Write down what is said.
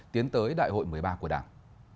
tiến tới đại hội một mươi ba của đảng